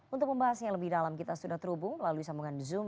untuk pembahas yang lebih dalam kita sudah terhubung lalu disambungkan di zoom